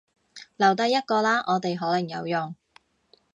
留低一個啦，我哋可能有用